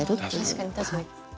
確かに確かに。